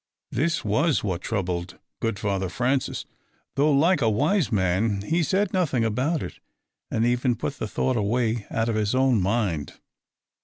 _ This was what troubled good Father Francis, though, like a wise man, he said nothing about it, and even put the thought away out of his own mind.